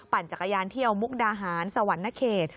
ปั่นจักรยานเที่ยวมุกดาหารสวรรค์นครรภ์ณเขด